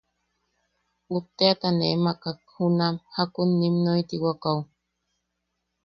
Utteʼata ne makak junam... jakun nim noitiwakaʼu.